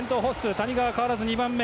谷川は変わらず２番目。